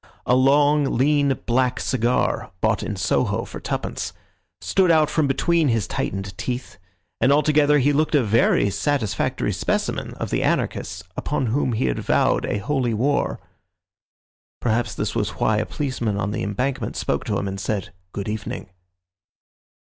A long, lean, black cigar, bought in Soho for twopence, stood out from between his tightened teeth, and altogether he looked a very satisfactory specimen of the anarchists upon whom he had vowed a holy war. Perhaps this was why a policeman on the Embankment spoke to him, and said "Good evening."